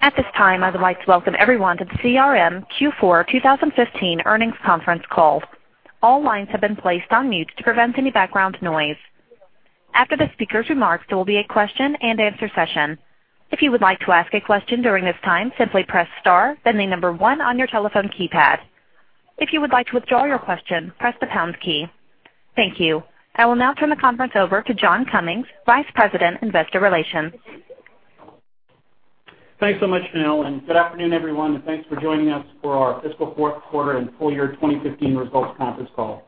At this time, I'd like to welcome everyone to the CRM Q4 2015 earnings conference call. All lines have been placed on mute to prevent any background noise. After the speakers' remarks, there will be a question-and-answer session. If you would like to ask a question during this time, simply press star, then the number one on your telephone keypad. If you would like to withdraw your question, press the pound key. Thank you. I will now turn the conference over to John Cummings, Vice President, Investor Relations. Thanks so much, Janelle. Good afternoon, everyone. Thanks for joining us for our fiscal fourth quarter and full year 2015 results conference call.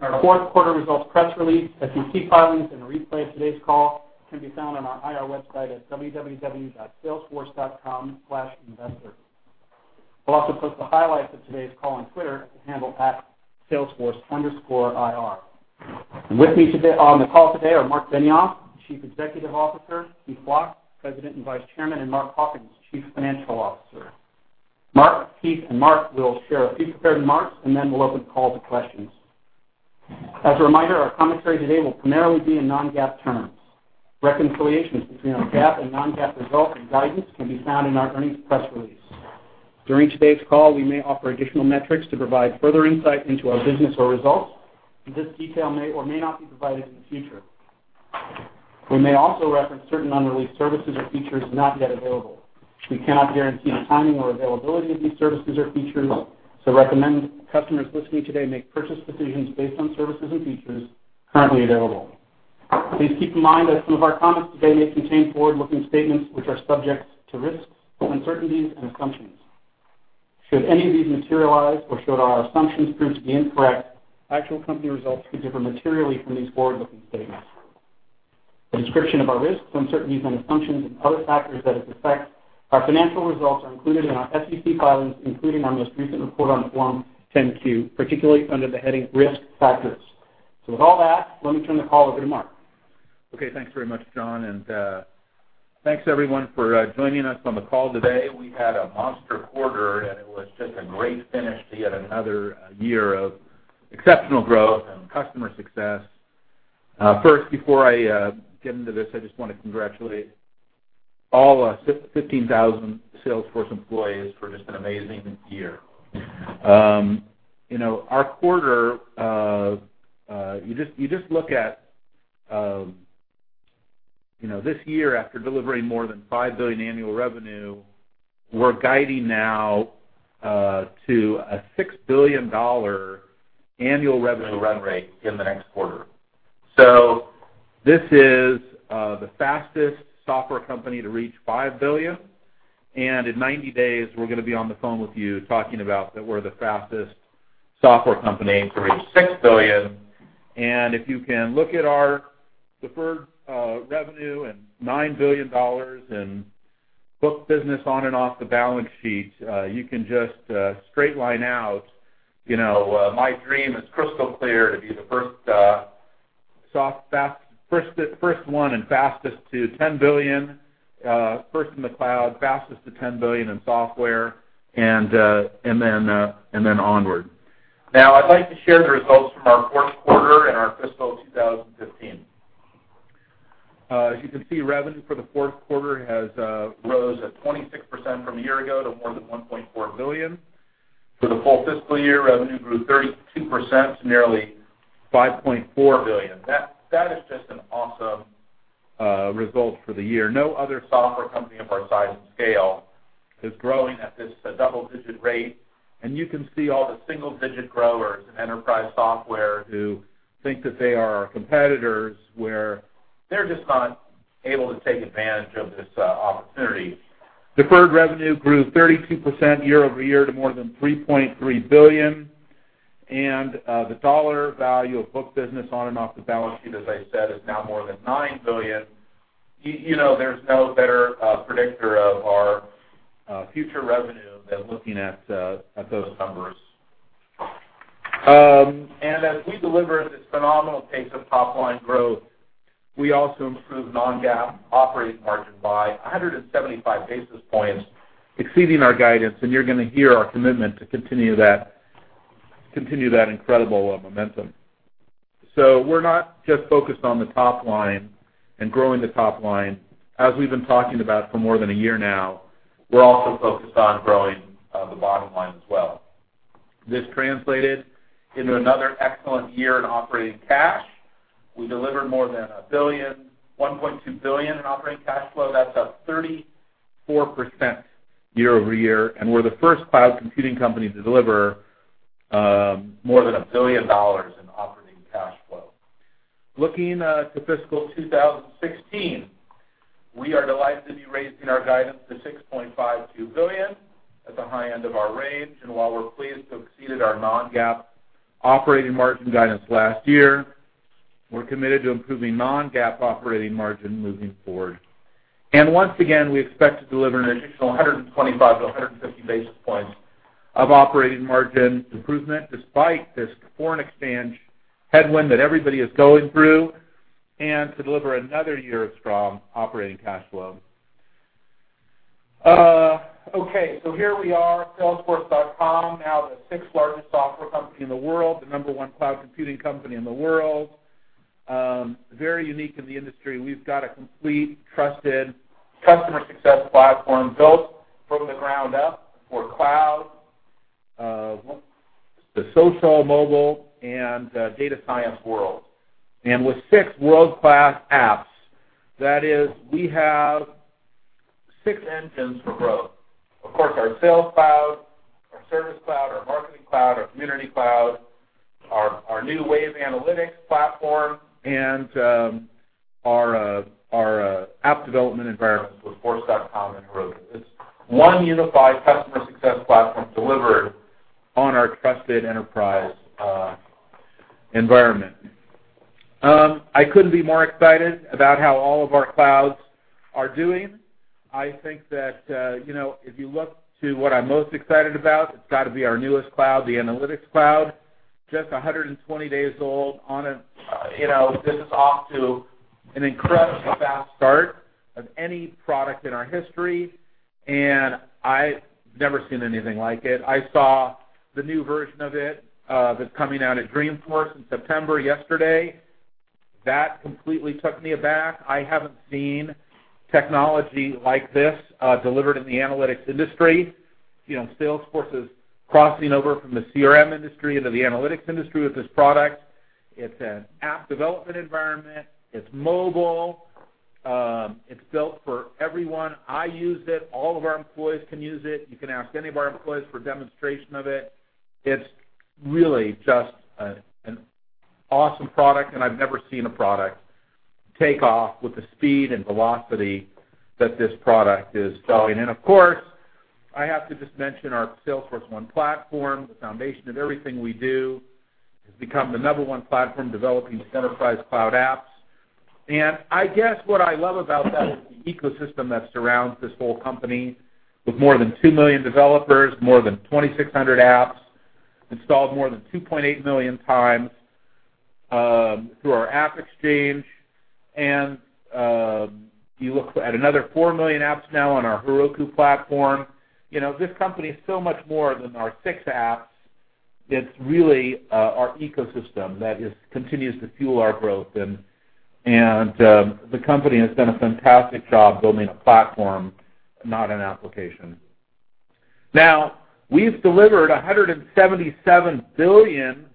Our fourth quarter results press release, SEC filings, and a replay of today's call can be found on our IR website at www.salesforce.com/investor. We'll also post the highlights of today's call on Twitter at the handle @salesforce_IR. With me today on the call today are Marc Benioff, the Chief Executive Officer, Keith Block, President and Vice Chairman, and Mark Hawkins, Chief Financial Officer. Marc, Keith, and Mark will share a few prepared remarks. Then we'll open the call to questions. As a reminder, our commentary today will primarily be in non-GAAP terms. Reconciliations between our GAAP and non-GAAP results and guidance can be found in our earnings press release. During today's call, we may offer additional metrics to provide further insight into our business or results. This detail may or may not be provided in the future. We may also reference certain unreleased services or features not yet available. We cannot guarantee the timing or availability of these services or features. Recommend customers listening today make purchase decisions based on services and features currently available. Please keep in mind that some of our comments today may contain forward-looking statements which are subject to risks, uncertainties, and assumptions. Should any of these materialize or should our assumptions prove to be incorrect, actual company results could differ materially from these forward-looking statements. A description of our risks, uncertainties and assumptions and other factors that could affect our financial results are included in our SEC filings, including our most recent report on Form 10-Q, particularly under the heading Risk Factors. With all that, let me turn the call over to Marc. Thanks very much, John, and thanks, everyone, for joining us on the call today. We had a monster quarter, and it was just a great finish to yet another year of exceptional growth and customer success. First, before I get into this, I just want to congratulate all our 15,000 Salesforce employees for just an amazing year. Our quarter, you just look at this year after delivering more than $5 billion annual revenue, we're guiding now to a $6 billion annual revenue run rate in the next quarter. This is the fastest software company to reach $5 billion. In 90 days, we're going to be on the phone with you talking about that we're the fastest software company to reach $6 billion. If you can look at our deferred revenue and $9 billion in book business on and off the balance sheet, you can just straight line out. My dream is crystal clear to be the first one and fastest to $10 billion. First in the cloud, fastest to $10 billion in software, onward. Now, I'd like to share the results from our fourth quarter and our fiscal 2015. As you can see, revenue for the fourth quarter has rose at 26% from a year ago to more than $1.4 billion. For the full fiscal year, revenue grew 32% to nearly $5.4 billion. That is just an awesome result for the year. No other software company of our size and scale is growing at this double-digit rate. You can see all the single-digit growers in enterprise software who think that they are our competitors, where they're just not able to take advantage of this opportunity. Deferred revenue grew 32% year-over-year to more than $3.3 billion. The dollar value of book business on and off the balance sheet, as I said, is now more than $9 billion. There's no better predictor of our future revenue than looking at those numbers. As we deliver this phenomenal pace of top-line growth, we also improved non-GAAP operating margin by 175 basis points, exceeding our guidance. You're going to hear our commitment to continue that incredible momentum. We're not just focused on the top line and growing the top line. As we've been talking about for more than a year now, we're also focused on growing the bottom line as well. This translated into another excellent year in operating cash. We delivered more than $1 billion, $1.2 billion in operating cash flow. That's up 34% year-over-year, and we're the first cloud computing company to deliver more than $1 billion in operating cash flow. Looking to fiscal 2016, we are delighted to be raising our guidance to $6.52 billion at the high end of our range. While we're pleased to have exceeded our non-GAAP operating margin guidance last year, we're committed to improving non-GAAP operating margin moving forward. Once again, we expect to deliver an additional 125 to 150 basis points of operating margin improvement despite this foreign exchange headwind that everybody is going through and to deliver another year of strong operating cash flow. Here we are, Salesforce.com, now the sixth-largest software company in the world, the number 1 cloud computing company in the world. Very unique in the industry. We've got a complete trusted Customer Success Platform built from the ground up for cloud, the social, mobile, and data science world. With 6 world-class apps, that is, we have 6 engines for growth. Of course, our Sales Cloud, our Service Cloud, our Marketing Cloud, our Community Cloud, our new Wave Analytics platform, and our app development environment with Force.com and Heroku. It's 1 unified Customer Success Platform delivered on our trusted enterprise environment. I couldn't be more excited about how all of our clouds are doing. I think that if you look to what I'm most excited about, it's got to be our newest cloud, the Analytics Cloud. Just 120 days old. This is off to an incredibly fast start of any product in our history, and I've never seen anything like it. I saw the new version of it that's coming out at Dreamforce in September yesterday. That completely took me aback. I haven't seen technology like this delivered in the analytics industry. Salesforce is crossing over from the CRM industry into the analytics industry with this product. It's an app development environment. It's mobile. It's built for everyone. I use it. All of our employees can use it. You can ask any of our employees for a demonstration of it. It's really just an awesome product, and I've never seen a product take off with the speed and velocity that this product is selling. Of course, I have to just mention our Salesforce1 platform, the foundation of everything we do. It's become the number 1 platform developing enterprise cloud apps. I guess what I love about that is the ecosystem that surrounds this whole company with more than 2 million developers, more than 2,600 apps installed more than 2.8 million times through our AppExchange. You look at another 4 million apps now on our Heroku platform. This company is so much more than our 6 apps. It's really our ecosystem that continues to fuel our growth, and the company has done a fantastic job building a platform, not an application. Now, we've delivered 177 billion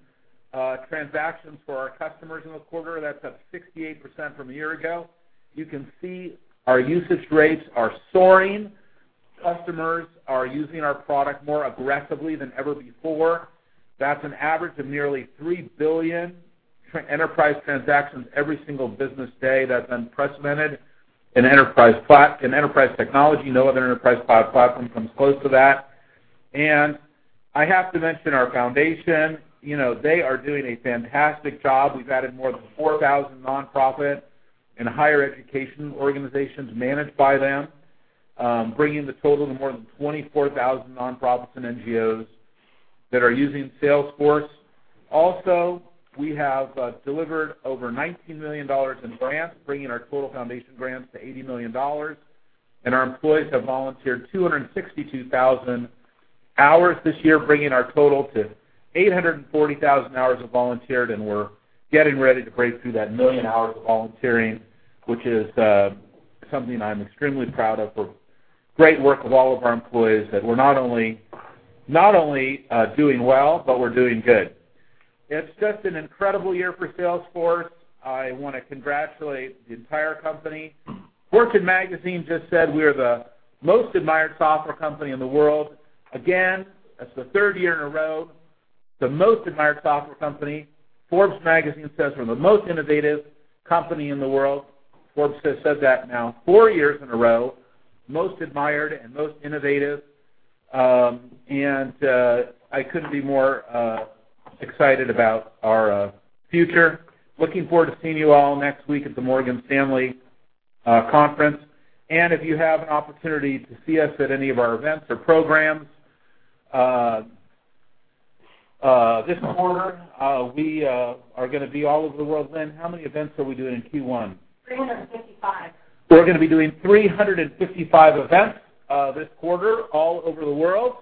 transactions for our customers in the quarter. That's up 68% from a year ago. You can see our usage rates are soaring. Customers are using our product more aggressively than ever before. That's an average of nearly 3 billion enterprise transactions every single business day. That's unprecedented in enterprise technology. No other enterprise cloud platform comes close to that. I have to mention our foundation. They are doing a fantastic job. We've added more than 4,000 non-profit and higher education organizations managed by them, bringing the total to more than 24,000 non-profits and NGOs that are using Salesforce. We have delivered over $19 million in grants, bringing our total foundation grants to $80 million. Our employees have volunteered 262,000 hours this year, bringing our total to 840,000 hours of volunteered. We're getting ready to break through that 1 million hours of volunteering, which is something I'm extremely proud of, for great work of all of our employees. That we're not only doing well, but we're doing good. It's just an incredible year for Salesforce. I want to congratulate the entire company. Fortune Magazine just said we are the most admired software company in the world. Again, that's the third year in a row, the most admired software company. Forbes Magazine says we're the most innovative company in the world. Forbes has said that now four years in a row, most admired and most innovative. I couldn't be more excited about our future. Looking forward to seeing you all next week at the Morgan Stanley conference. If you have an opportunity to see us at any of our events or programs, this quarter, we are going to be all over the world. Lynn, how many events are we doing in Q1? 355. We're going to be doing 355 events this quarter all over the world.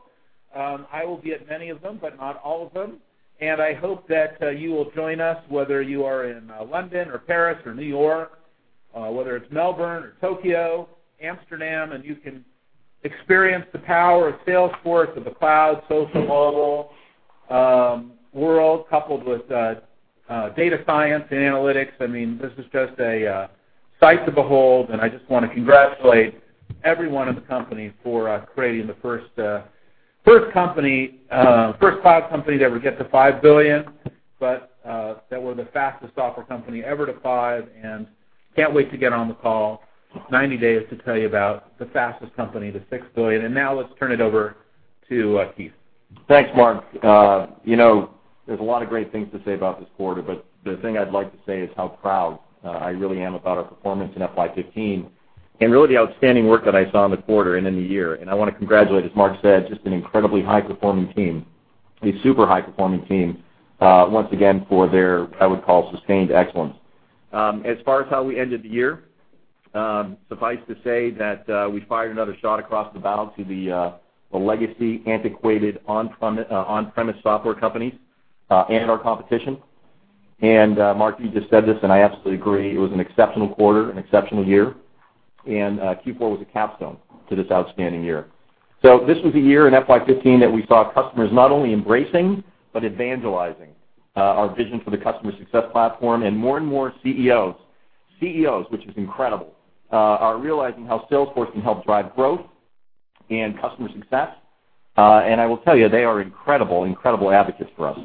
I will be at many of them, but not all of them. I hope that you will join us whether you are in London or Paris or New York, whether it's Melbourne or Tokyo, Amsterdam. You can experience the power of Salesforce with the cloud, social, mobile world, coupled with data science and analytics. This is just a sight to behold. I just want to congratulate everyone in the company for creating the first cloud company to ever get to $5 billion, but that we're the fastest software company ever to 5 billion. Can't wait to get on the call, 90 days to tell you about the fastest company to $6 billion. Now let's turn it over to Keith. Thanks, Mark. There's a lot of great things to say about this quarter, but the thing I'd like to say is how proud I really am about our performance in FY 2015, really the outstanding work that I saw in the quarter and in the year. I want to congratulate, as Mark said, just an incredibly high-performing team, a super high-performing team, once again, for their, I would call, sustained excellence. As far as how we ended the year, suffice to say that we fired another shot across the bow to the legacy antiquated on-premise software companies and our competition. Mark, you just said this. I absolutely agree. It was an exceptional quarter, an exceptional year. Q4 was a capstone to this outstanding year. This was a year in FY 2015 that we saw customers not only embracing but evangelizing our vision for the Customer Success Platform. More and more CEOs, which is incredible, are realizing how Salesforce can help drive growth and customer success. I will tell you, they are incredible advocates for us.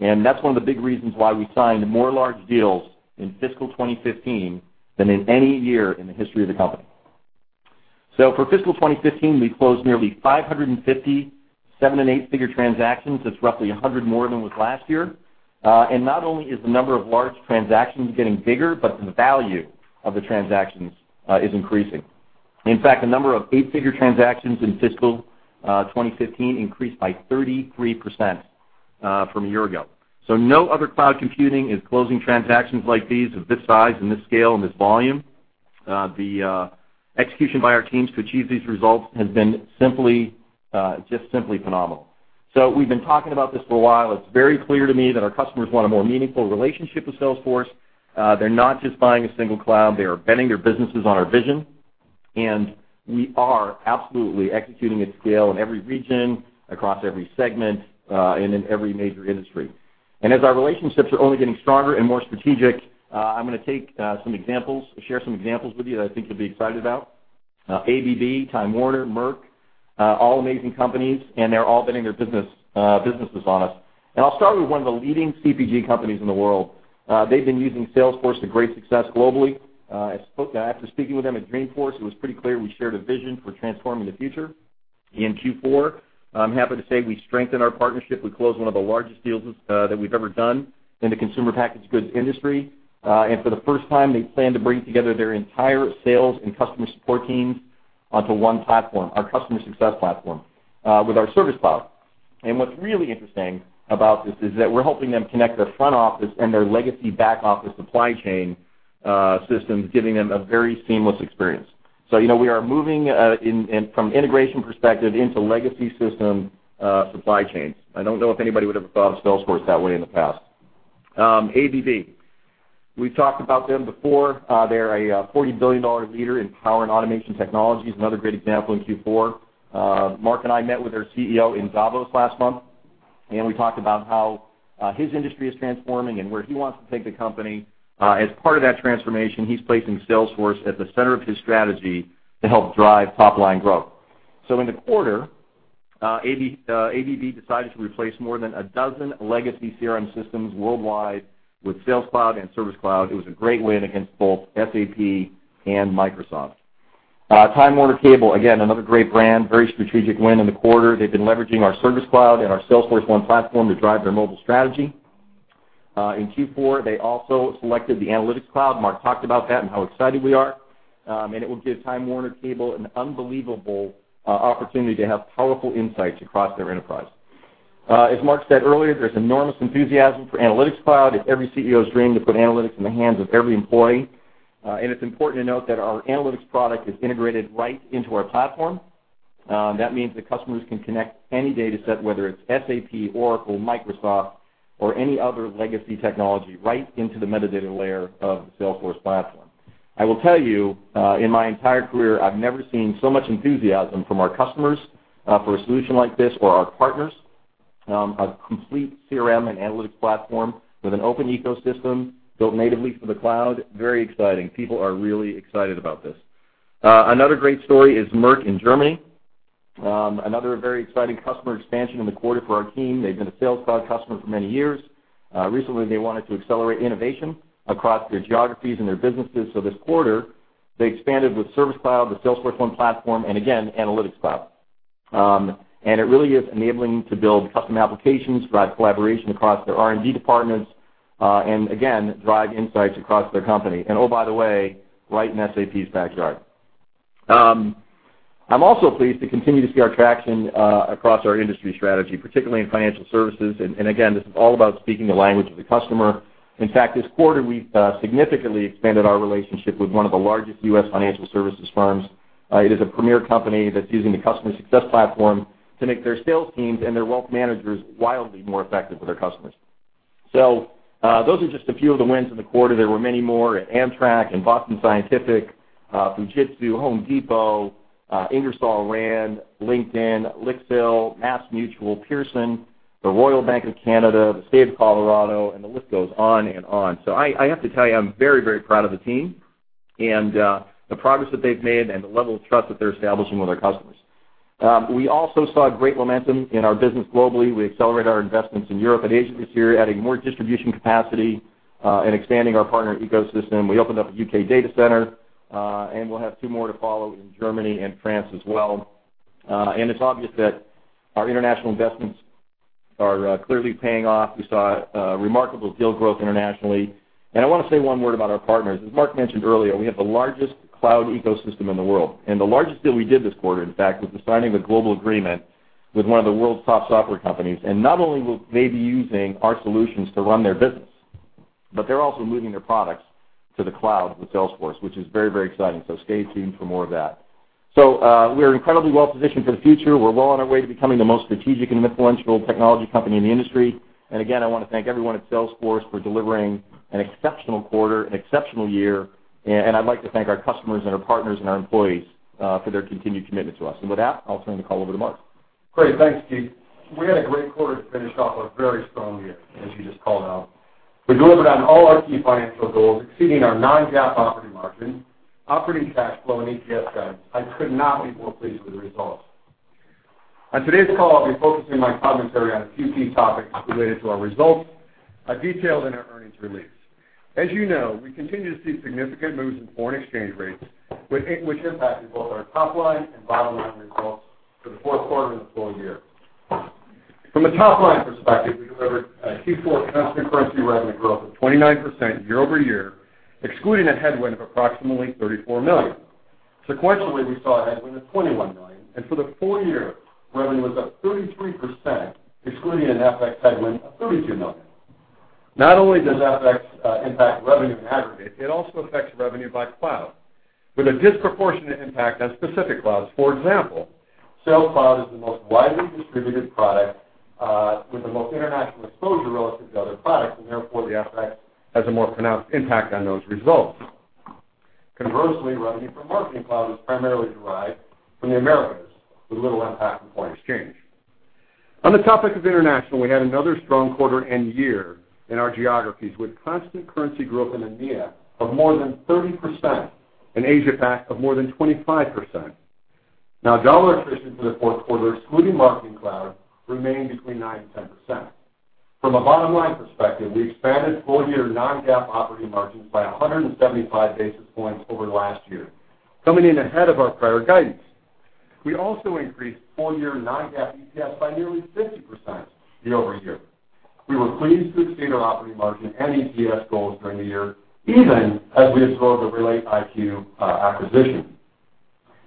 That's one of the big reasons why we signed more large deals in fiscal 2015 than in any year in the history of the company. For fiscal 2015, we closed nearly 550 7 and 8-figure transactions. That's roughly 100 more than with last year. Not only is the number of large transactions getting bigger, but the value of the transactions is increasing. In fact, the number of 8-figure transactions in fiscal 2015 increased by 33% from a year ago. No other cloud computing is closing transactions like these of this size and this scale and this volume. The execution by our teams to achieve these results has been just simply phenomenal. We've been talking about this for a while. It's very clear to me that our customers want a more meaningful relationship with Salesforce. They're not just buying a single cloud. They are betting their businesses on our vision. We are absolutely executing at scale in every region, across every segment, and in every major industry. As our relationships are only getting stronger and more strategic, I'm going to share some examples with you that I think you'll be excited about. ABB, Time Warner, Merck, all amazing companies, and they're all betting their businesses on us. I'll start with one of the leading CPG companies in the world. They've been using Salesforce to great success globally. After speaking with them at Dreamforce, it was pretty clear we shared a vision for transforming the future. In Q4, I'm happy to say we strengthened our partnership. We closed one of the largest deals that we've ever done in the consumer packaged goods industry. For the first time, they plan to bring together their entire sales and customer support teams onto one platform, our Customer Success Platform, with our Service Cloud. What's really interesting about this is that we're helping them connect their front office and their legacy back-office supply chain systems, giving them a very seamless experience. We are moving from integration perspective into legacy system supply chains. I don't know if anybody would have thought of Salesforce that way in the past. ABB. We've talked about them before. They're a $40 billion leader in power and automation technologies. Another great example in Q4. Mark and I met with their CEO in Davos last month, and we talked about how his industry is transforming and where he wants to take the company. As part of that transformation, he's placing Salesforce at the center of his strategy to help drive top-line growth. In the quarter, ABB decided to replace more than a dozen legacy CRM systems worldwide with Sales Cloud and Service Cloud. It was a great win against both SAP and Microsoft. Time Warner Cable, again, another great brand, very strategic win in the quarter. They've been leveraging our Service Cloud and our Salesforce1 platform to drive their mobile strategy. In Q4, they also selected the Analytics Cloud. Mark talked about that and how excited we are. It will give Time Warner Cable an unbelievable opportunity to have powerful insights across their enterprise. As Mark said earlier, there's enormous enthusiasm for Analytics Cloud. It's every CEO's dream to put analytics in the hands of every employee. It's important to note that our analytics product is integrated right into our platform. That means that customers can connect any data set, whether it's SAP, Oracle, Microsoft, or any other legacy technology, right into the metadata layer of the Salesforce platform. I will tell you, in my entire career, I've never seen so much enthusiasm from our customers for a solution like this or our partners. A complete CRM and analytics platform with an open ecosystem built natively for the cloud. Very exciting. People are really excited about this. Another great story is Merck in Germany. Another very exciting customer expansion in the quarter for our team. They've been a Sales Cloud customer for many years. Recently, they wanted to accelerate innovation across their geographies and their businesses. This quarter, they expanded with Service Cloud, the Salesforce1 platform, and again, Analytics Cloud. It really is enabling to build custom applications, drive collaboration across their R&D departments, and again, drive insights across their company. Oh, by the way, right in SAP's backyard. I'm also pleased to continue to see our traction across our industry strategy, particularly in financial services. Again, this is all about speaking the language of the customer. In fact, this quarter, we've significantly expanded our relationship with one of the largest U.S. financial services firms. It is a premier company that's using the Customer Success Platform to make their sales teams and their wealth managers wildly more effective with their customers. Those are just a few of the wins in the quarter. There were many more at Amtrak and Boston Scientific, Fujitsu, Home Depot, Ingersoll Rand, LinkedIn, LIXIL, MassMutual, Pearson, the Royal Bank of Canada, the State of Colorado, and the list goes on and on. I have to tell you, I'm very proud of the team and the progress that they've made and the level of trust that they're establishing with our customers. We also saw great momentum in our business globally. We accelerated our investments in Europe and Asia this year, adding more distribution capacity and expanding our partner ecosystem. We opened up a U.K. data center, and we'll have 2 more to follow in Germany and France as well. It's obvious that our international investments are clearly paying off. We saw remarkable deal growth internationally. I want to say one word about our partners. As Mark mentioned earlier, we have the largest cloud ecosystem in the world. The largest deal we did this quarter, in fact, was the signing of a global agreement with one of the world's top software companies. Not only will they be using our solutions to run their business, but they're also moving their products to the cloud with Salesforce, which is very exciting. Stay tuned for more of that. We are incredibly well-positioned for the future. We're well on our way to becoming the most strategic and influential technology company in the industry. Again, I want to thank everyone at Salesforce for delivering an exceptional quarter and exceptional year. I'd like to thank our customers and our partners and our employees for their continued commitment to us. With that, I'll turn the call over to Mark. Great. Thanks, Keith. We had a great quarter to finish off a very strong year, as you just called out. We delivered on all our key financial goals, exceeding our non-GAAP operating margin, operating cash flow, and EPS guidance. I could not be more pleased with the results. On today's call, I'll be focusing my commentary on a few key topics related to our results I detailed in our earnings release. As you know, we continue to see significant moves in foreign exchange rates, which impacted both our top line and bottom line results for the fourth quarter and the full year. From a top-line perspective, we delivered a Q4 constant currency revenue growth of 29% year-over-year, excluding a headwind of approximately $34 million. Sequentially, we saw a headwind of $21 million, and for the full year, revenue was up 33%, excluding an FX headwind of $32 million. Not only does FX impact revenue in aggregate, it also affects revenue by cloud, with a disproportionate impact on specific clouds. For example, Sales Cloud is the most widely distributed product with the most international exposure relative to other products, and therefore the FX has a more pronounced impact on those results. Conversely, revenue from Marketing Cloud is primarily derived from the Americas, with little impact from foreign exchange. On the topic of international, we had another strong quarter and year in our geographies, with constant currency growth in EMEA of more than 30%, and Asia Pac of more than 25%. Now, dollar attrition for the fourth quarter, excluding Marketing Cloud, remained between 9% and 10%. From a bottom-line perspective, we expanded full-year non-GAAP operating margins by 175 basis points over last year, coming in ahead of our prior guidance. We also increased full-year non-GAAP EPS by nearly 50% year-over-year. We were pleased to exceed our operating margin and EPS goals during the year, even as we absorbed the RelateIQ acquisition.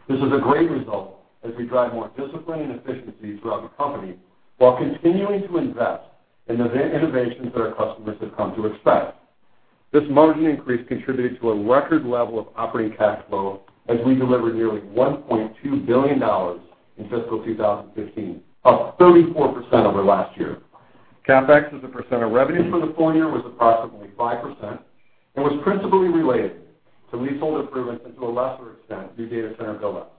This is a great result as we drive more discipline and efficiency throughout the company, while continuing to invest in the innovations that our customers have come to expect. This margin increase contributed to a record level of operating cash flow as we delivered nearly $1.2 billion in fiscal 2015, up 34% over last year. CapEx as a percent of revenue for the full year was approximately 5% and was principally related to leasehold improvements and to a lesser extent, new data center build-outs.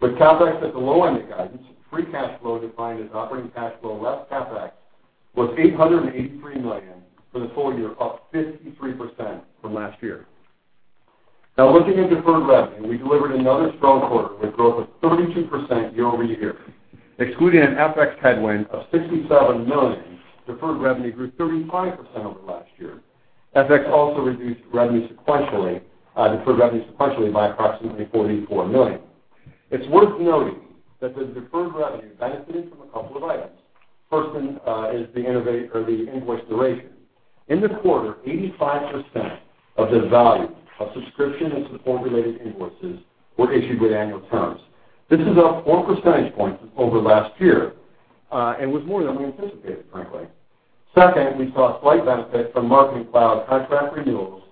With CapEx at the low end of guidance, free cash flow defined as operating cash flow less CapEx was $883 million for the full year, up 53% from last year. Now looking at deferred revenue, we delivered another strong quarter with growth of 32% year-over-year. Excluding an FX headwind of $67 million, deferred revenue grew 35% over last year. FX also reduced deferred revenue sequentially by approximately $44 million. It's worth noting that the deferred revenue benefited from a couple of items. First one is the invoice duration. In the quarter, 85% of the value of subscription and support-related invoices were issued with annual terms. This is up four percentage points over last year, and was more than we anticipated, frankly. Second, we saw a slight benefit from Marketing Cloud contract renewals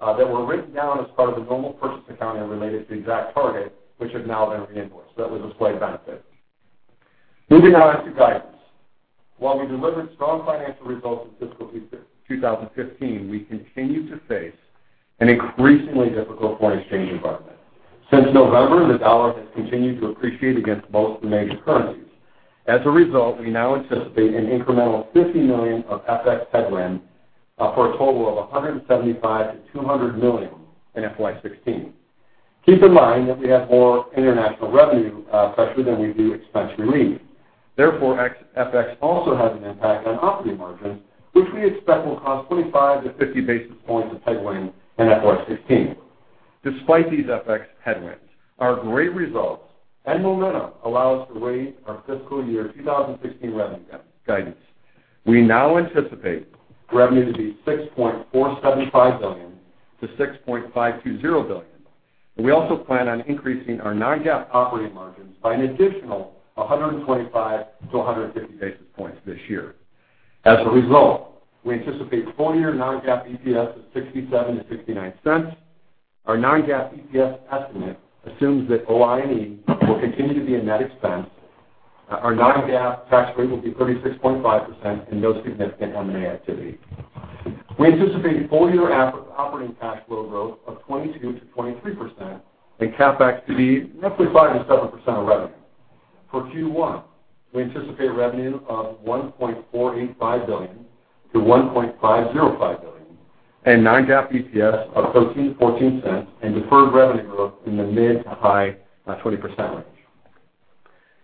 that were written down as part of a normal purchase accounting related to ExactTarget, which have now been reinvoiced. That was a slight benefit. Moving on to guidance. While we delivered strong financial results in fiscal 2015, we continue to face an increasingly difficult foreign exchange environment. Since November, the dollar has continued to appreciate against most of the major currencies. As a result, we now anticipate an incremental $50 million of FX headwind, for a total of $175 million-$200 million in FY 2016. Keep in mind that we have more international revenue pressure than we do expense relief. Therefore, FX also has an impact on operating margins, which we expect will cause 25-50 basis points of headwind in FY 2016. Despite these FX headwinds, our great results and momentum allow us to raise our fiscal year 2016 revenue guidance. We now anticipate revenue to be $6.475 billion-$6.520 billion. We also plan on increasing our non-GAAP operating margins by an additional 125-150 basis points this year. As a result, we anticipate full year non-GAAP EPS of $0.67-$0.89. Our non-GAAP EPS estimate assumes that OI&E will continue to be a net expense, our non-GAAP tax rate will be 36.5%, and no significant M&A activity. We anticipate full-year operating cash flow growth of 22%-23%, and CapEx to be roughly 5%-7% of revenue. For Q1, we anticipate revenue of $1.485 billion-$1.505 billion, and non-GAAP EPS of $0.13-$0.14, and deferred revenue growth in the mid to high 20% range.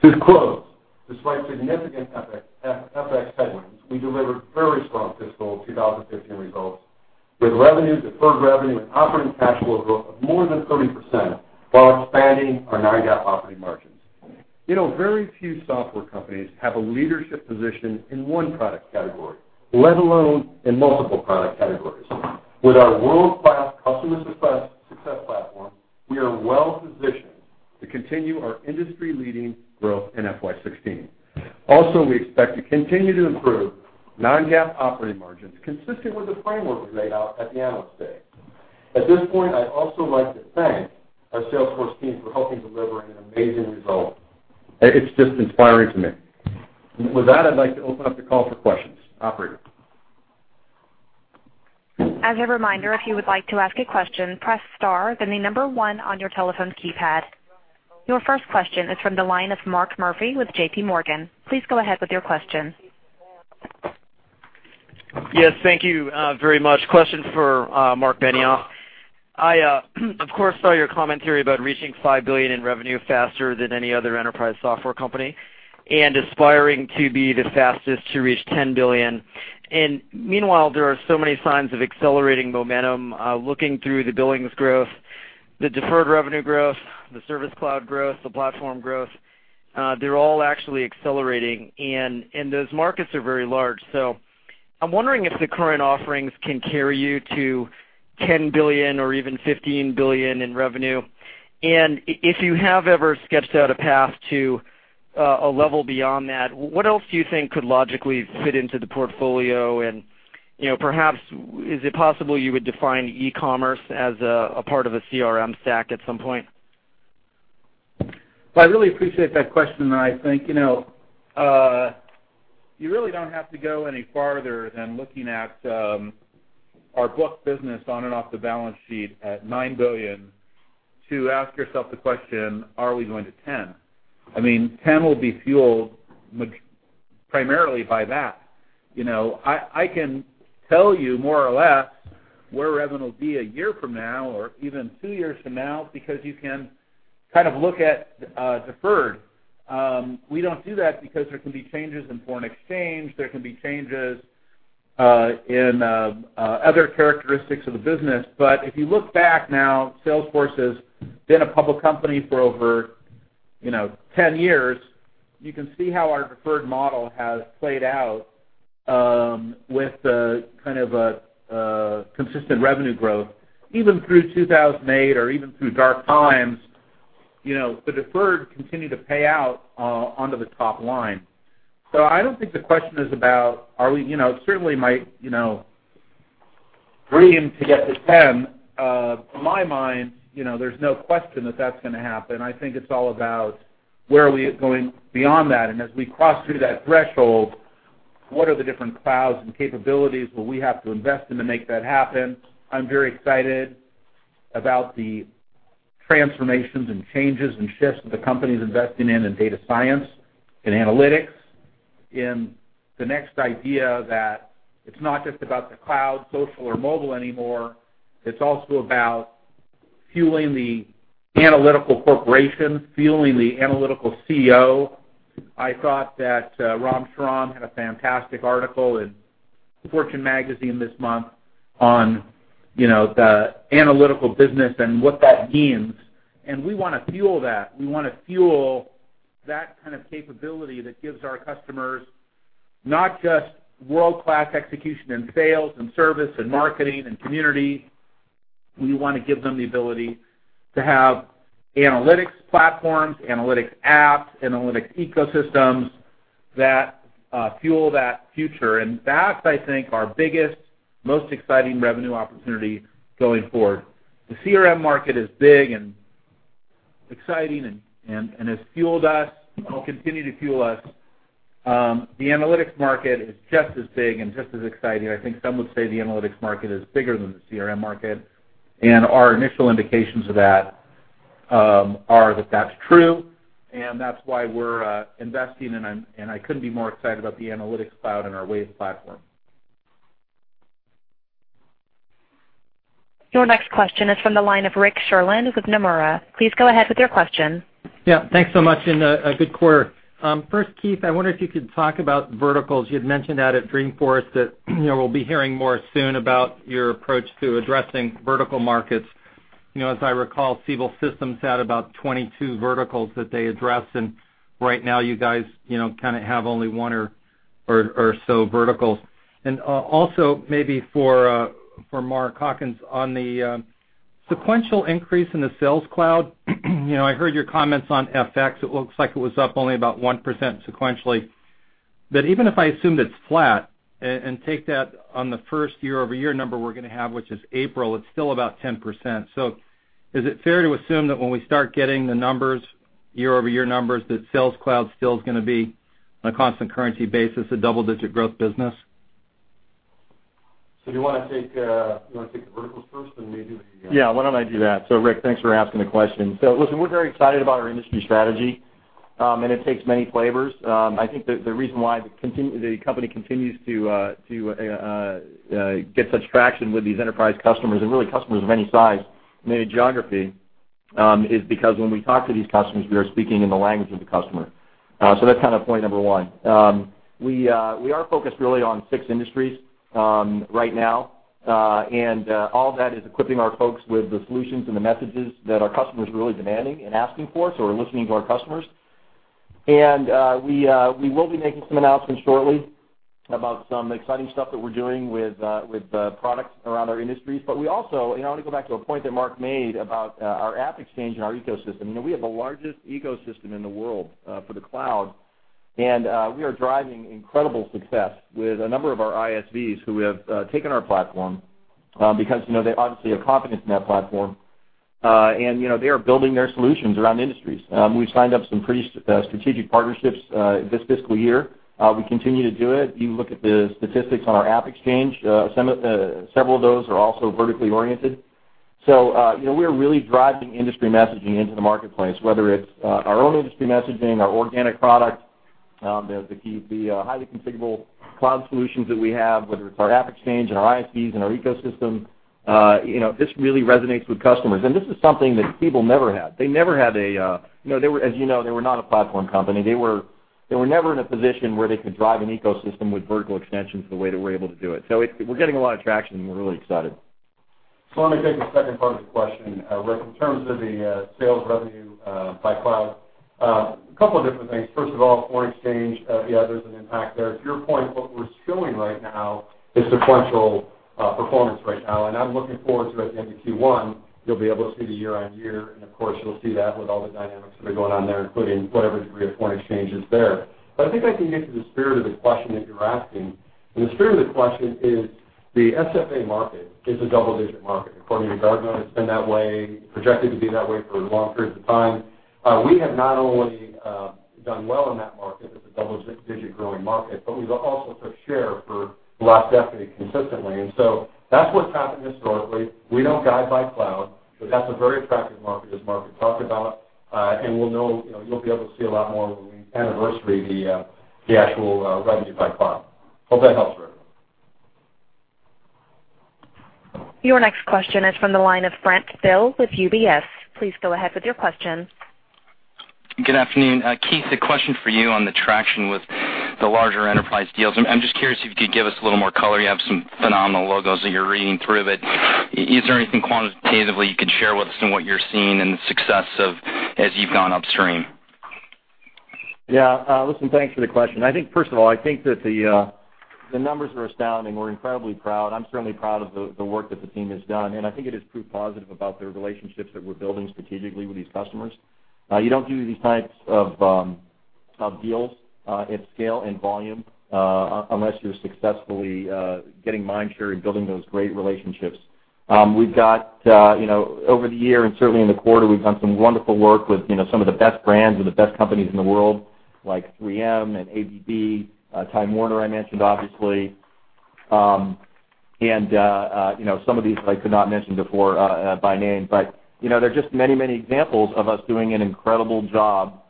To close, despite significant FX headwinds, we delivered very strong fiscal 2015 results with revenue, deferred revenue, and operating cash flow growth of more than 30%, while expanding our non-GAAP operating margins. Very few software companies have a leadership position in one product category, let alone in multiple product categories. With our world-class Customer Success Platform, we are well positioned To continue our industry-leading growth in FY 2016. We expect to continue to improve non-GAAP operating margins consistent with the framework we laid out at the Analyst Day. At this point, I'd also like to thank our Salesforce team for helping deliver an amazing result. It's just inspiring to me. With that, I'd like to open up the call for questions. Operator? As a reminder, if you would like to ask a question, press star, then the number 1 on your telephone keypad. Your first question is from the line of Mark Murphy with JPMorgan. Please go ahead with your question. Yes, thank you very much. Question for Marc Benioff. I, of course, saw your commentary about reaching $5 billion in revenue faster than any other enterprise software company, and aspiring to be the fastest to reach $10 billion. Meanwhile, there are so many signs of accelerating momentum. Looking through the billings growth, the deferred revenue growth, the Service Cloud growth, the platform growth, they're all actually accelerating, and those markets are very large. I'm wondering if the current offerings can carry you to $10 billion or even $15 billion in revenue. If you have ever sketched out a path to a level beyond that, what else do you think could logically fit into the portfolio? Perhaps, is it possible you would define e-commerce as a part of a CRM stack at some point? Well, I really appreciate that question. I think, you really don't have to go any farther than looking at our book business on and off the balance sheet at $9 billion to ask yourself the question, are we going to 10? I mean, 10 will be fueled primarily by that. I can tell you more or less where revenue will be a year from now or even two years from now, because you can look at deferred. We don't do that because there can be changes in foreign exchange, there can be changes in other characteristics of the business. If you look back now, Salesforce has been a public company for over 10 years. You can see how our deferred model has played out with a consistent revenue growth, even through 2008 or even through dark times. The deferred continue to pay out onto the top line. I don't think the question is about, certainly my dream to get to 10. In my mind, there's no question that that's going to happen. I think it's all about where are we going beyond that, as we cross through that threshold, what are the different clouds and capabilities will we have to invest in to make that happen? I'm very excited about the transformations and changes and shifts that the company's investing in data science and analytics. In the next idea that it's not just about the cloud, social, or mobile anymore, it's also about fueling the analytical corporation, fueling the analytical CIO. I thought that Ram Charan had a fantastic article in Fortune Magazine this month on the analytical business and what that means. We want to fuel that. We want to fuel that kind of capability that gives our customers not just world-class execution in sales and service and marketing and community. We want to give them the ability to have analytics platforms, analytics apps, analytics ecosystems that fuel that future. That's, I think, our biggest, most exciting revenue opportunity going forward. The CRM market is big and exciting and has fueled us, and will continue to fuel us. The analytics market is just as big and just as exciting. I think some would say the analytics market is bigger than the CRM market, and our initial indications of that are that that's true, and that's why we're investing in, and I couldn't be more excited about the Analytics Cloud and our Wave platform. Your next question is from the line of Rick Sherlund with Nomura. Please go ahead with your question. Yeah. Thanks so much, a good quarter. First, Keith, I wonder if you could talk about verticals. You had mentioned that at Dreamforce, that we'll be hearing more soon about your approach to addressing vertical markets. As I recall, Siebel Systems had about 22 verticals that they addressed, and right now you guys have only one or so verticals. Also maybe for Mark Hawkins, on the sequential increase in the Sales Cloud. I heard your comments on FX. It looks like it was up only about 1% sequentially. Even if I assumed it's flat and take that on the first year-over-year number we're going to have, which is April, it's still about 10%. Is it fair to assume that when we start getting the year-over-year numbers, that Sales Cloud still is going to be, on a constant currency basis, a double-digit growth business? Do you want to take the verticals first. Yeah, why don't I do that? Rick, thanks for asking the question. Listen, we're very excited about our industry strategy, and it takes many flavors. I think the reason why the company continues to get such traction with these enterprise customers, and really customers of any size and any geography, is because when we talk to these customers, we are speaking in the language of the customer. That's point number one. We are focused really on six industries right now. All of that is equipping our folks with the solutions and the messages that our customers are really demanding and asking for. We're listening to our customers. We will be making some announcements shortly about some exciting stuff that we're doing with products around our industries. We also, I want to go back to a point that Marc made about our AppExchange and our ecosystem. We have the largest ecosystem in the world for the cloud, and we are driving incredible success with a number of our ISVs who have taken our platform because they obviously have confidence in that platform. They are building their solutions around industries. We've signed up some pretty strategic partnerships this fiscal year. We continue to do it. You look at the statistics on our AppExchange, several of those are also vertically oriented. We're really driving industry messaging into the marketplace, whether it's our own industry messaging, our organic product, the highly configurable cloud solutions that we have, whether it's our AppExchange and our ISVs and our ecosystem. This really resonates with customers, and this is something that people never had. As you know, they were not a platform company. They were never in a position where they could drive an ecosystem with vertical extensions the way that we're able to do it. We're getting a lot of traction, and we're really excited. Let me take the second part of the question, Rick. In terms of the sales revenue by cloud, a couple of different things. First of all, foreign exchange, yeah, there's an impact there. To your point, what we're showing right now is sequential performance right now, and I'm looking forward to at the end of Q1, you'll be able to see the year-on-year, and of course, you'll see that with all the dynamics that are going on there, including whatever degree of foreign exchange is there. I think I can get to the spirit of the question that you're asking. The spirit of the question is, the SFA market is a double-digit market. According to Gartner, it's been that way, projected to be that way for long periods of time. We have not only done well in that market as a double-digit growing market, but we've also took share for the last decade consistently. That's what's happened historically. We don't guide by cloud, but that's a very attractive market, as Mark had talked about. You'll be able to see a lot more when we anniversary the actual revenue by cloud. Hope that helps, Rick. Your next question is from the line of Brent Thill with UBS. Please go ahead with your question. Good afternoon. Keith, a question for you on the traction with the larger enterprise deals. I'm just curious if you could give us a little more color. You have some phenomenal logos that you're reading through, but is there anything quantitatively you could share with us on what you're seeing and the success of as you've gone upstream? Yeah. Listen, thanks for the question. First of all, I think that the numbers are astounding. We're incredibly proud. I'm certainly proud of the work that the team has done, and I think it is proof positive about the relationships that we're building strategically with these customers. You don't do these types of deals at scale and volume unless you're successfully getting mind share and building those great relationships. Over the year and certainly in the quarter, we've done some wonderful work with some of the best brands and the best companies in the world, like 3M and ABB, Time Warner I mentioned obviously. Some of these, I could not mention before by name, but there are just many examples of us doing an incredible job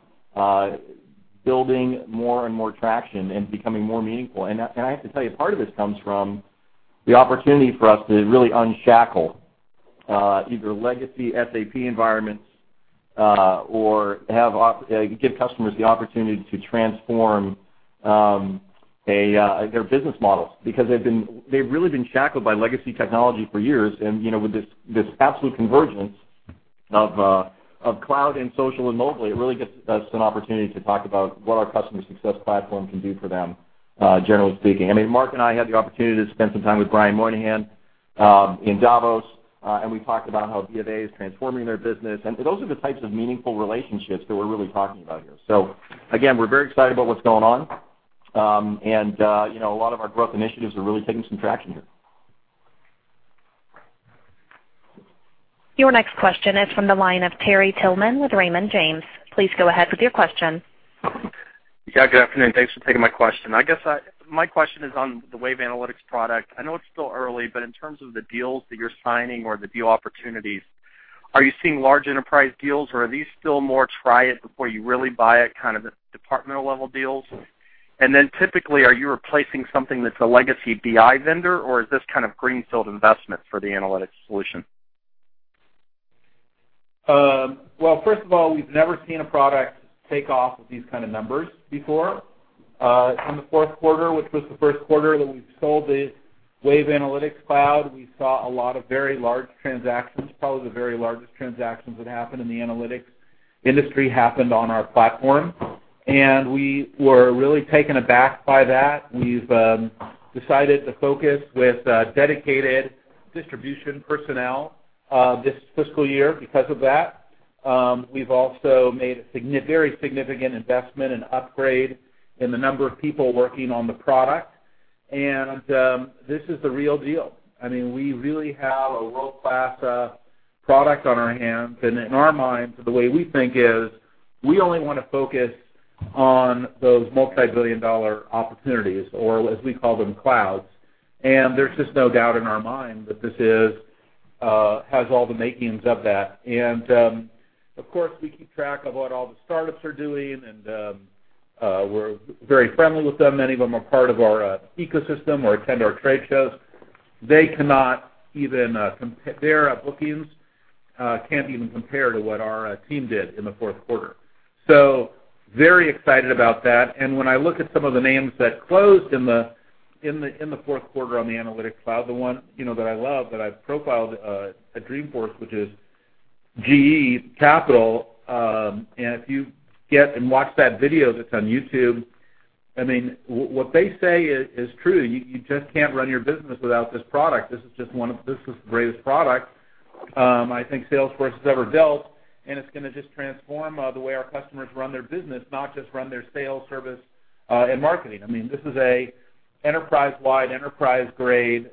building more and more traction and becoming more meaningful. I have to tell you, part of this comes from the opportunity for us to really unshackle either legacy SAP environments or give customers the opportunity to transform their business models, because they've really been shackled by legacy technology for years. With this absolute convergence of cloud and social and mobile, it really gives us an opportunity to talk about what our Customer Success Platform can do for them, generally speaking. Mark and I had the opportunity to spend some time with Brian Moynihan in Davos, and we talked about how Bank of America is transforming their business, those are the types of meaningful relationships that we're really talking about here. Again, we're very excited about what's going on. A lot of our growth initiatives are really taking some traction here. Your next question is from the line of Terry Tillman with Raymond James. Please go ahead with your question. Yeah, good afternoon. Thanks for taking my question. I guess my question is on the Wave Analytics product. I know it's still early, but in terms of the deals that you're signing or the deal opportunities, are you seeing large enterprise deals, or are these still more try it before you really buy it kind of departmental-level deals? Then typically, are you replacing something that's a legacy BI vendor, or is this kind of greenfield investment for the analytics solution? Well, first of all, we've never seen a product take off with these kind of numbers before. In the fourth quarter, which was the first quarter that we've sold the Wave Analytics Cloud, we saw a lot of very large transactions. Probably the very largest transactions that happened in the analytics industry happened on our platform. We were really taken aback by that. We've decided to focus with dedicated distribution personnel this fiscal year because of that. We've also made a very significant investment and upgrade in the number of people working on the product. This is the real deal. We really have a world-class product on our hands, and in our minds, the way we think is, we only want to focus on those multi-billion-dollar opportunities, or as we call them, clouds. There's just no doubt in our mind that this has all the makings of that. Of course, we keep track of what all the startups are doing, and we're very friendly with them. Many of them are part of our ecosystem or attend our trade shows. Their bookings can't even compare to what our team did in the fourth quarter. Very excited about that. When I look at some of the names that closed in the In the fourth quarter on the Analytics Cloud, the one that I love, that I've profiled at Dreamforce, which is GE Capital. If you get and watch that video that's on YouTube, what they say is true. You just can't run your business without this product. This is the greatest product I think Salesforce has ever built, and it's going to just transform the way our customers run their business, not just run their sales service, and marketing. This is an enterprise-wide, enterprise-grade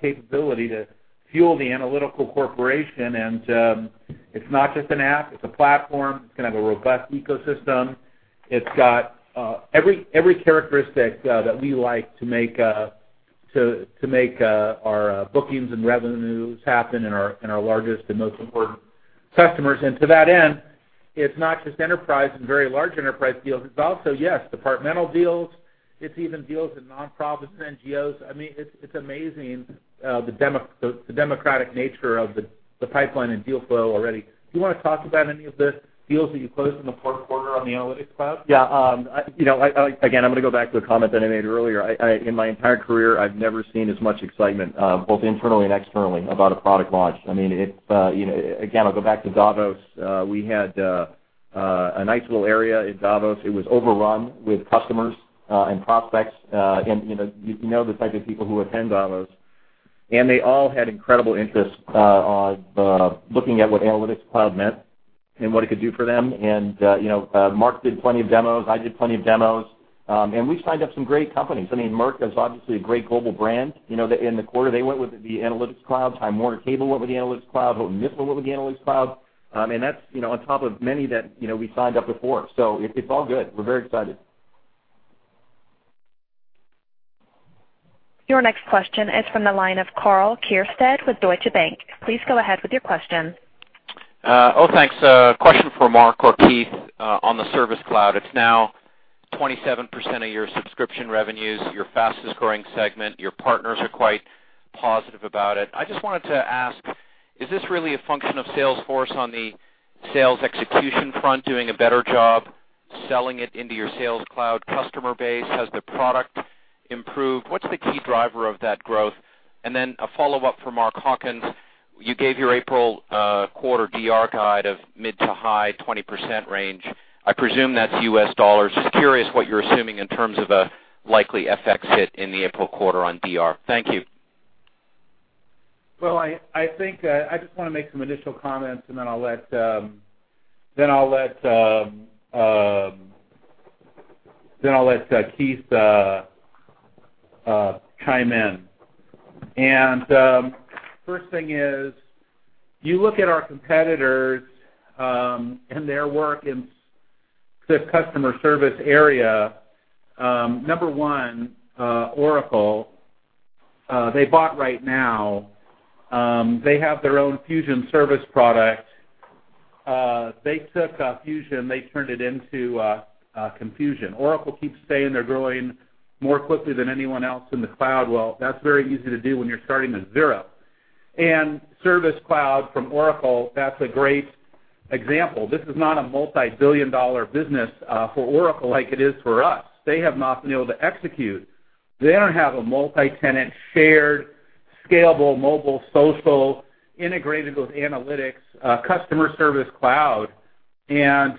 capability to fuel the analytical corporation, and it's not just an app, it's a platform. It's going to have a robust ecosystem. It's got every characteristic that we like to make our bookings and revenues happen in our largest and most important customers. To that end, it's not just enterprise and very large enterprise deals, it's also, yes, departmental deals. It's even deals in nonprofits and NGOs. It's amazing the democratic nature of the pipeline and deal flow already. Do you want to talk about any of the deals that you closed in the fourth quarter on the Analytics Cloud? Yeah. Again, I'm going to go back to a comment that I made earlier. In my entire career, I've never seen as much excitement, both internally and externally, about a product launch. Again, I'll go back to Davos. We had a nice little area at Davos. It was overrun with customers and prospects. You know the type of people who attend Davos, and they all had incredible interest on looking at what Analytics Cloud meant and what it could do for them. Marc did plenty of demos, I did plenty of demos. We've signed up some great companies. Merck is obviously a great global brand. In the quarter, they went with the Analytics Cloud, Time Warner Cable went with the Analytics Cloud, LIXIL went with the Analytics Cloud. That's on top of many that we signed up before. It's all good. We're very excited. Your next question is from the line of Karl Keirstead with Deutsche Bank. Please go ahead with your question. Oh, thanks. A question for Marc or Keith on the Service Cloud. It is now 27% of your subscription revenues, your fastest-growing segment. Your partners are quite positive about it. I just wanted to ask, is this really a function of Salesforce on the sales execution front doing a better job selling it into your Sales Cloud customer base? Has the product improved? What is the key driver of that growth? Then a follow-up for Mark Hawkins. You gave your April quarter DR guide of mid to high 20% range. I presume that is U.S. dollars. Just curious what you are assuming in terms of a likely FX hit in the April quarter on DR. Thank you. Well, I just want to make some initial comments, then I will let Keith chime in. First thing is, you look at our competitors, their work in the customer service area. Number one, Oracle, they bought RightNow. They have their own Fusion Service product. They took Fusion, they turned it into confusion. Oracle keeps saying they are growing more quickly than anyone else in the cloud. Well, that is very easy to do when you are starting at zero. Service Cloud from Oracle, that is a great example. This is not a multi-billion-dollar business for Oracle like it is for us. They have not been able to execute. They do not have a multi-tenant, shared, scalable, mobile, social, integrated with analytics, customer service cloud. Then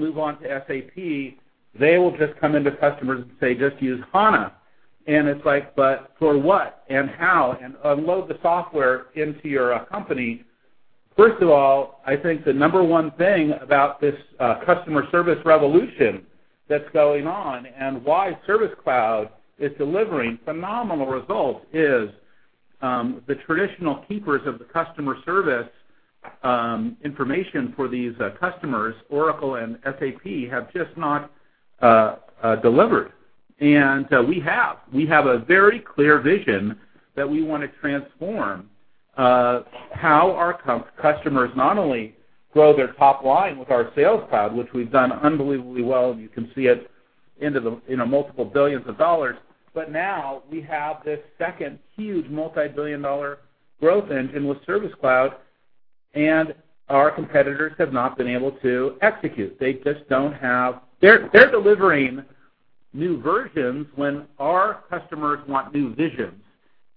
move on to SAP, they will just come into customers and say, "Just use HANA." It is like, but for what and how? Unload the software into your company. First of all, I think the number one thing about this customer service revolution that is going on and why Service Cloud is delivering phenomenal results is, the traditional keepers of the customer service information for these customers, Oracle and SAP, have just not delivered. We have. We have a very clear vision that we want to transform how our customers not only grow their top line with our Sales Cloud, which we have done unbelievably well, you can see it into the multiple billions of dollars. Now we have this second huge multi-billion dollar growth engine with Service Cloud, our competitors have not been able to execute. They are delivering new versions when our customers want new visions.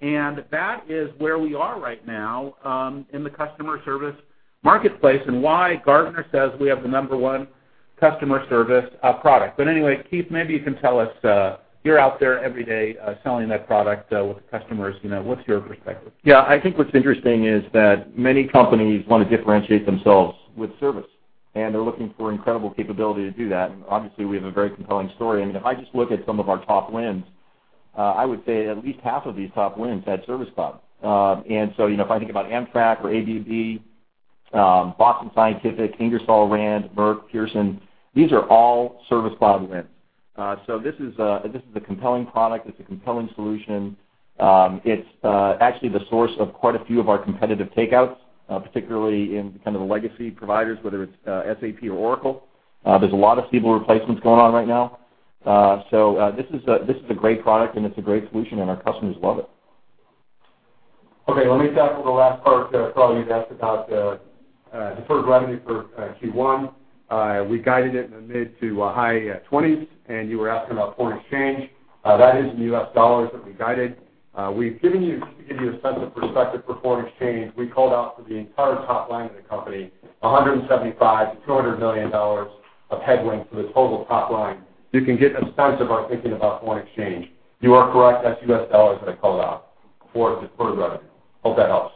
That is where we are right now, in the customer service marketplace and why Gartner says we have the number 1 customer service product. Anyway, Keith, maybe you can tell us, you're out there every day selling that product with customers, what's your perspective? I think what's interesting is that many companies want to differentiate themselves with service, and they're looking for incredible capability to do that. Obviously, we have a very compelling story. If I just look at some of our top wins, I would say at least half of these top wins had Service Cloud. If I think about Amtrak or ABB, Boston Scientific, Ingersoll Rand, Merck, Pearson, these are all Service Cloud wins. This is a compelling product. It's a compelling solution. It's actually the source of quite a few of our competitive takeouts, particularly in the legacy providers, whether it's SAP or Oracle. There's a lot of Siebel replacements going on right now. This is a great product, and it's a great solution, and our customers love it. Let me tackle the last part. Probably you asked about deferred revenue for Q1. We guided it in the mid to high 20s, you were asking about foreign exchange. That is the U.S. dollars that we guided. To give you a sense of perspective for foreign exchange, we called out for the entire top line of the company, $175 million-$200 million of headwind for the total top line. You can get a sense of our thinking about foreign exchange. You are correct, that's U.S. dollars that I called out for deferred revenue. Hope that helps.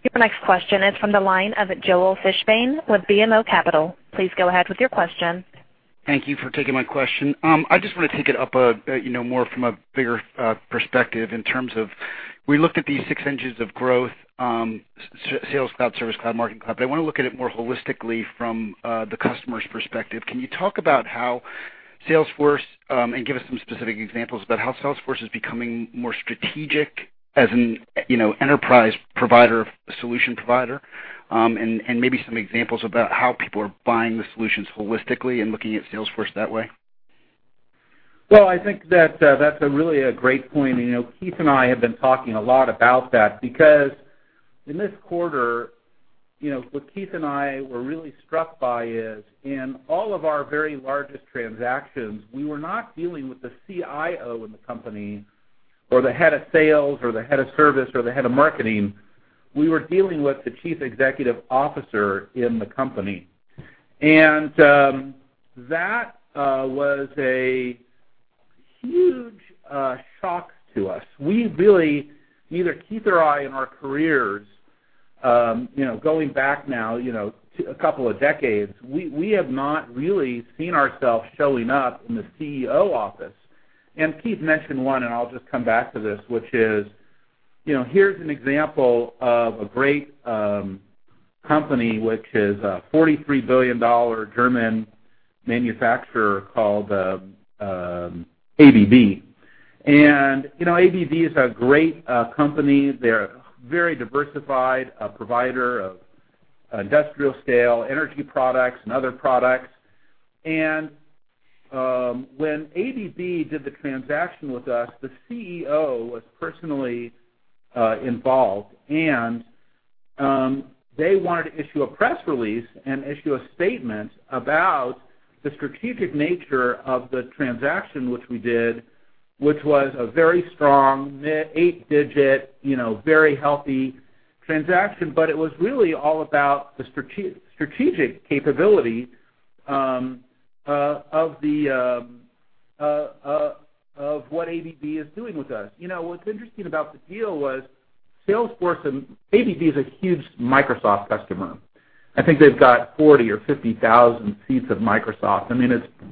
Your next question is from the line of Joel Fishbein with BMO Capital. Please go ahead with your question. Thank you for taking my question. I just want to take it up more from a bigger perspective in terms of, we looked at these six engines of growth, Sales Cloud, Service Cloud, Marketing Cloud, but I want to look at it more holistically from the customer's perspective. Can you talk about how Salesforce, and give us some specific examples about how Salesforce is becoming more strategic as an enterprise provider, a solution provider, and maybe some examples about how people are buying the solutions holistically and looking at Salesforce that way? Well, I think that's really a great point. Keith and I have been talking a lot about that, because in this quarter, what Keith and I were really struck by is in all of our very largest transactions, we were not dealing with the CIO in the company or the head of sales or the head of service or the head of marketing. We were dealing with the Chief Executive Officer in the company. That was a huge shock to us. Neither Keith or I in our careers, going back now a couple of decades, we have not really seen ourselves showing up in the CEO office. Keith mentioned one, and I'll just come back to this, which is, here's an example of a great company, which is a $43 billion German manufacturer called ABB. ABB is a great company. They're a very diversified provider of industrial scale energy products and other products. When ABB did the transaction with us, the CEO was personally involved, and they wanted to issue a press release and issue a statement about the strategic nature of the transaction which we did, which was a very strong eight-digit, very healthy transaction. It was really all about the strategic capability of what ABB is doing with us. What's interesting about the deal was ABB is a huge Microsoft customer. I think they've got 40,000 or 50,000 seats of Microsoft.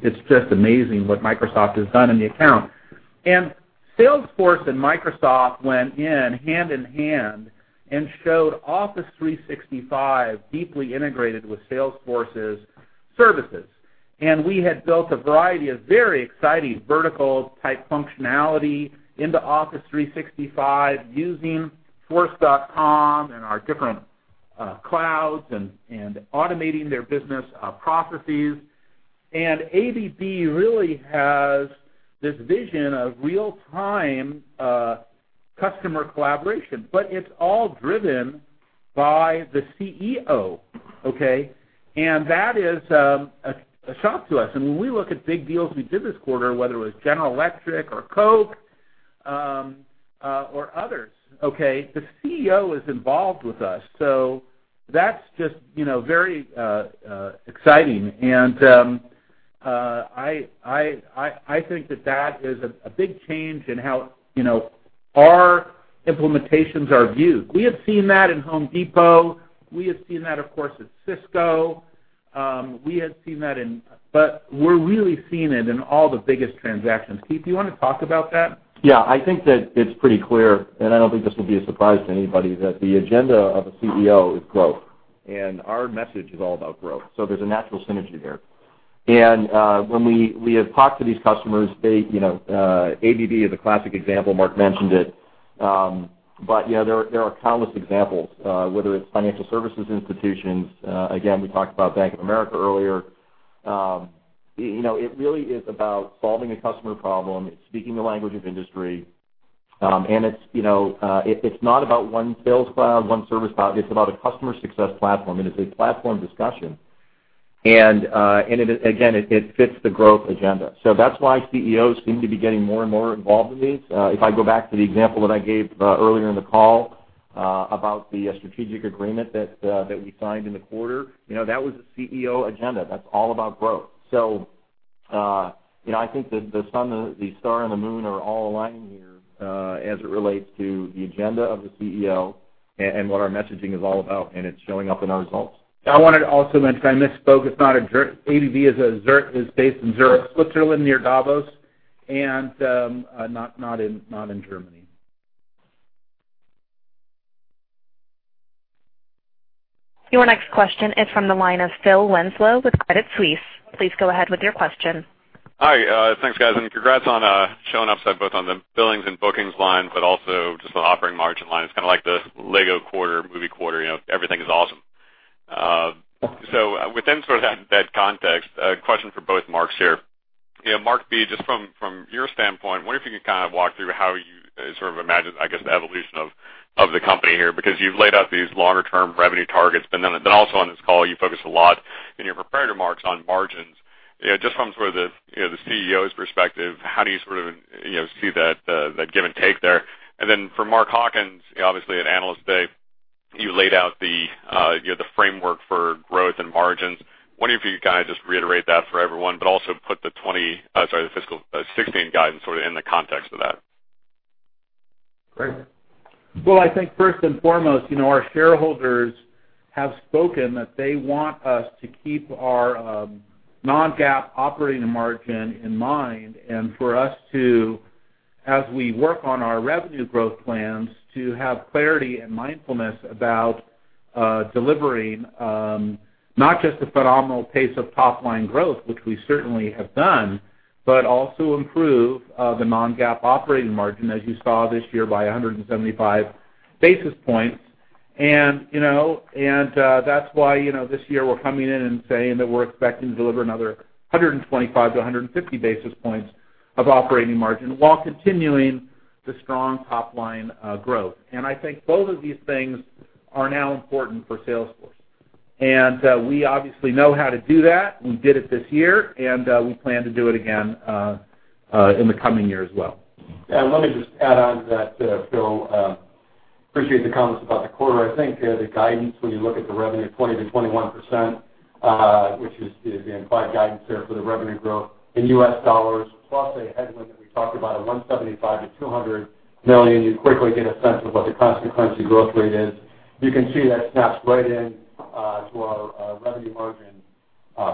It's just amazing what Microsoft has done in the account. Salesforce and Microsoft went in hand-in-hand and showed Office 365 deeply integrated with Salesforce's services. We had built a variety of very exciting vertical-type functionality into Office 365 using force.com and our different clouds, and automating their business processes. ABB really has this vision of real-time customer collaboration, but it's all driven by the CEO. Okay? That is a shock to us. When we look at big deals we did this quarter, whether it was General Electric or Coke, or others, the CEO is involved with us. That's just very exciting, and I think that that is a big change in how our implementations are viewed. We have seen that in Home Depot. We have seen that, of course, at Cisco. We're really seeing it in all the biggest transactions. Keith, do you want to talk about that? Yeah, I think that it's pretty clear, and I don't think this will be a surprise to anybody, that the agenda of a CEO is growth. Our message is all about growth. There's a natural synergy there. When we have talked to these customers, ABB is a classic example, Marc mentioned it. There are countless examples, whether it's financial services institutions. Again, we talked about Bank of America earlier. It really is about solving a customer problem. It's speaking the language of industry, and it's not about one Sales Cloud, one Service Cloud. It's about a Customer Success Platform, and it's a platform discussion. Again, it fits the growth agenda. That's why CEOs seem to be getting more and more involved in these. If I go back to the example that I gave earlier in the call about the strategic agreement that we signed in the quarter, that was a CEO agenda. That's all about growth. I think the sun, the star, and the moon are all aligned here as it relates to the agenda of the CEO and what our messaging is all about, and it's showing up in our results. I want to also mention, I misspoke. ABB is based in Switzerland near Davos, and not in Germany. Your next question is from the line of Phil Winslow with Credit Suisse. Please go ahead with your question. Hi, thanks guys, and congrats on showing upside both on the billings and bookings line, but also just the operating margin line. It's kind of like the LEGO movie quarter. Everything is awesome. Within sort of that context, a question for both Marks here. Marc B, just from your standpoint, I wonder if you could kind of walk through how you sort of imagine, I guess, the evolution of the company here, because you've laid out these longer-term revenue targets. Also on this call, you focused a lot in your prepared remarks on margins. Just from sort of the CEO's perspective, how do you sort of see that give and take there? For Mark Hawkins, obviously at Analyst Day, you laid out the framework for growth and margins. Wondering if you could kind of just reiterate that for everyone, but also put the fiscal 2016 guidance sort of in the context of that. Great. I think first and foremost, our shareholders have spoken that they want us to keep our non-GAAP operating margin in mind, and for us to, as we work on our revenue growth plans, to have clarity and mindfulness about delivering, not just a phenomenal pace of top-line growth, which we certainly have done, but also improve the non-GAAP operating margin, as you saw this year, by 175 basis points. That's why this year we're coming in and saying that we're expecting to deliver another 125 to 150 basis points of operating margin while continuing the strong top-line growth. I think both of these things are now important for Salesforce. We obviously know how to do that. We did it this year, and we plan to do it again in the coming year as well. Let me just add on to that, Phil. Appreciate the comments about the quarter. I think the guidance, when you look at the revenue 20%-21%, which is the implied guidance there for the revenue growth in US dollars, plus a headwind that we talked about of $175 million-$200 million, you quickly get a sense of what the consequences growth rate is. You can see that snaps right into our revenue margin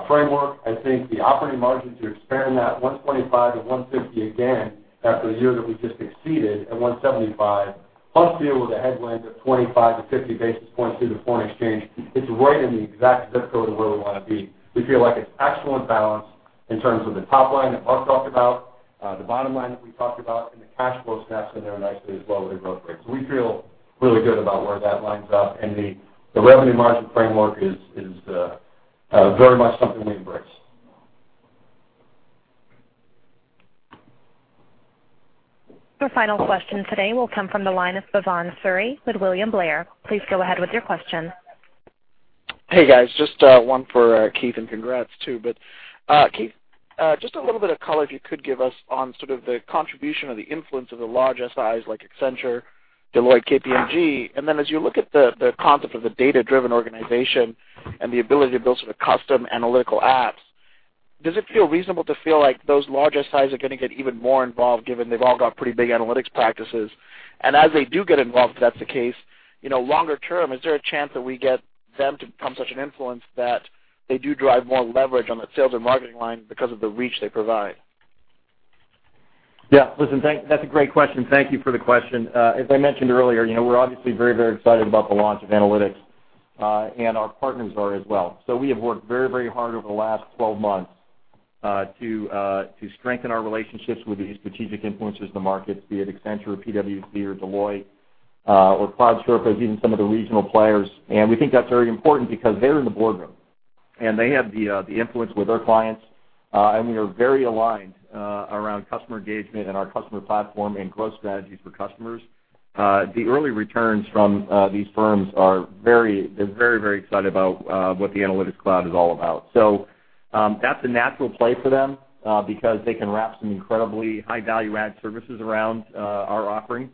framework. I think the operating margin to expand that 125-150 basis points again, after a year that we just exceeded at 175 basis points, plus deal with a headwind of 25-50 basis points due to foreign exchange, it's right in the exact ZIP code of where we want to be. We feel like it's excellent balance in terms of the top line that Mark Hawkins talked about, the bottom line that we talked about, and the cash flow snaps in there nicely as well with the growth rates. We feel really good about where that lines up. The revenue margin framework is very much something we embrace. Your final question today will come from the line of Bhavan Suri with William Blair. Please go ahead with your question. Hey, guys, just one for Keith, congrats too. Keith, just a little bit of color if you could give us on sort of the contribution or the influence of the large SIs like Accenture, Deloitte, KPMG. As you look at the concept of the data-driven organization and the ability to build sort of custom analytical apps, does it feel reasonable to feel like those larger SIs are going to get even more involved, given they've all got pretty big analytics practices? As they do get involved, if that's the case, longer term, is there a chance that we get them to become such an influence that they do drive more leverage on the sales and marketing line because of the reach they provide? Yeah. Listen, that's a great question. Thank you for the question. As I mentioned earlier, we're obviously very, very excited about the launch of analytics. Our partners are as well. We have worked very, very hard over the last 12 months to strengthen our relationships with these strategic influencers in the markets, be it Accenture, PwC, or Deloitte, or Cloud Sherpas, even some of the regional players. We think that's very important because they're in the boardroom, and they have the influence with their clients, and we are very aligned around customer engagement and our customer platform and growth strategies for customers. The early returns from these firms, they're very, very excited about what the Analytics Cloud is all about. That's a natural play for them because they can wrap some incredibly high-value add services around our offering,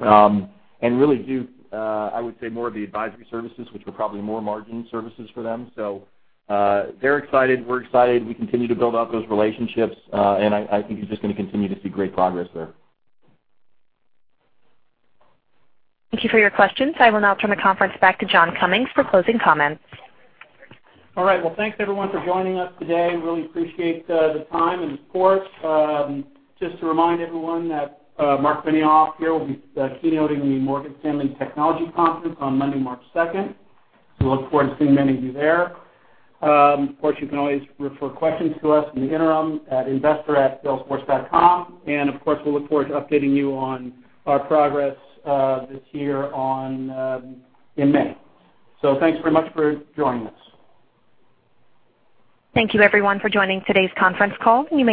and really do, I would say, more of the advisory services, which are probably more margin services for them. They're excited. We're excited. We continue to build out those relationships, I think you're just going to continue to see great progress there. Thank you for your questions. I will now turn the conference back to John Cummings for closing comments. All right. Well, thanks, everyone, for joining us today. Really appreciate the time and support. Just to remind everyone that Marc Benioff here will be keynoting the Morgan Stanley Technology Conference on Monday, March 2nd. Look forward to seeing many of you there. Of course, you can always refer questions to us in the interim at investor@salesforce.com. Of course, we look forward to updating you on our progress this year in May. Thanks very much for joining us. Thank you, everyone, for joining today's conference call. You may